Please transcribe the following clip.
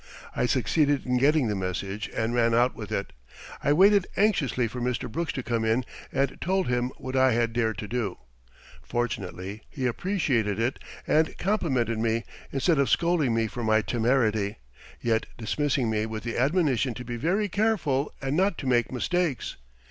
I succeeded in getting the message and ran out with it. I waited anxiously for Mr. Brooks to come in, and told him what I had dared to do. Fortunately, he appreciated it and complimented me, instead of scolding me for my temerity; yet dismissing me with the admonition to be very careful and not to make mistakes.